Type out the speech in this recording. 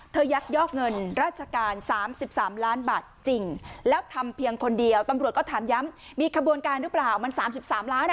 ยักยอกเงินราชการ๓๓ล้านบาทจริงแล้วทำเพียงคนเดียวตำรวจก็ถามย้ำมีขบวนการหรือเปล่ามัน๓๓ล้านอ่ะ